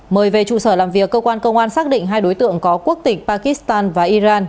mời về trụ sở làm việc cơ quan công an xác định hai đối tượng có quốc tịch pakistan và iran